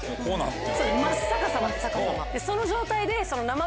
その状態で。